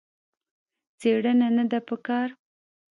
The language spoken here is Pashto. څېړنه نه ده په کار.